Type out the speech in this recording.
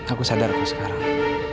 aku sadar aku sekarang